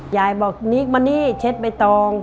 ยายบอกนิกมานี่เช็ดใบตอง